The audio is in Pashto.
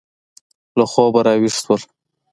له خوبه را ویښ شول.